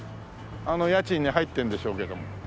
あの家賃に入ってるんでしょうけども。